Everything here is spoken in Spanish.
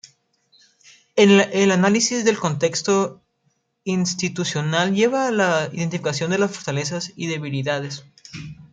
El análisis del contexto institucional lleva a la identificación de las fortalezas y debilidades.